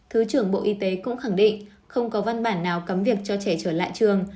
thứ trưởng bộ y tế cũng khẳng định không có văn bản nào cấm việc cho trẻ trở lại trường